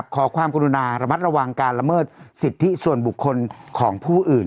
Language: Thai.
ขอความกรุณาระมัดระวังการละเมิดสิทธิส่วนบุคคลของผู้อื่น